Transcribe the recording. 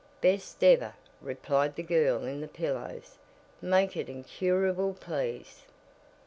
"Best ever," replied the girl in the pillows. "Make it incurable please."